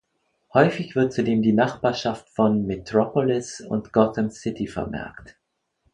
Häufig wird zudem die Nachbarschaft von Metropolis und Gotham City vermerkt.